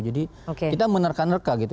jadi kita menerka nerka gitu